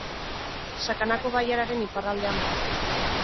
Sakanako bailararen iparraldean dago.